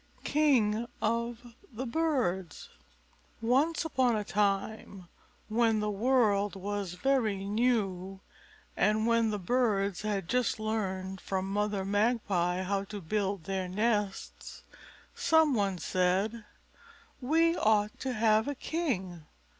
_] KING OF THE BIRDS Once upon a time, when the world was very new and when the birds had just learned from Mother Magpie how to build their nests, some one said, "We ought to have a king.